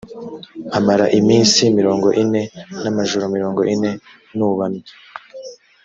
mpamara iminsi mirongo ine n’amajoro mirongo ine nubamye.